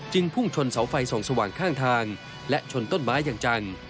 พุ่งชนเสาไฟส่องสว่างข้างทางและชนต้นไม้อย่างจัง